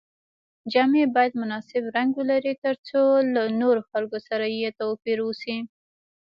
جامې باید مناسب رنګ ولري تر څو له نورو خلکو سره یې توپیر وشي.